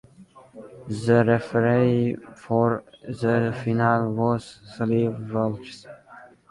The referee for the final was Clive Wilkes.